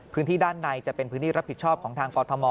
พื้นที่ด้านในจะเป็นพื้นที่รับผิดชอบของทางกรทม